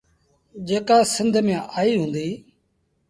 جيڪآ سنڌ ميݩ آئيٚ هُݩدي۔